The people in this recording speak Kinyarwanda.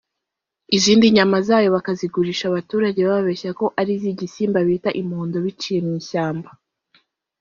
izindi nyama za yo bakazigurisha abaturage bababeshya ko ari iz’igisimba bita imondo biciye mu ishyamba